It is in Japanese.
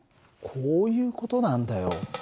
こういう事なんだよ。